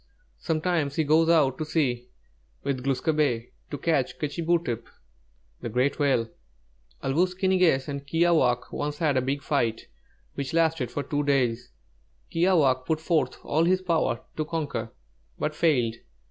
Sometimes he goes out to sea with Glūs kābé, to catch 'K'chī būtep,' the Great Whale. "'Āl wūs ki ni gess and 'Kiāwāhq' once had a big fight, which lasted for two days. Kiāwāhq' put forth all his power to conquer, but failed.